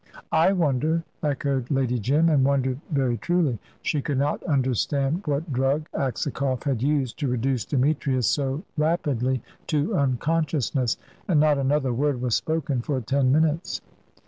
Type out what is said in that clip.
"I wonder," echoed Lady Jim, and wondered very truly. She could not understand what drug Aksakoff had used to reduce Demetrius so rapidly to unconsciousness. And not another word was spoken for ten minutes.